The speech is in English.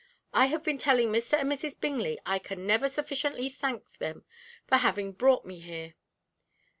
I have been telling Mr. and Mrs. Bingley I can never sufficiently thank them for having brought me here."